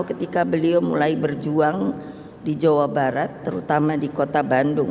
ketika beliau mulai berjuang di jawa barat terutama di kota bandung